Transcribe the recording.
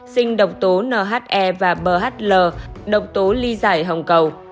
sinh độc tố nhe và mhl độc tố ly giải hồng cầu